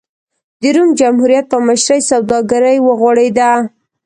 د روم جمهوریت په مشرۍ سوداګري وغوړېده.